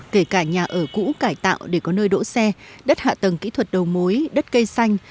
kể cả nhà ở cũ cải tạo để có nơi đỗ xe đất hạ tầng kỹ thuật đầu mối đất cây xanh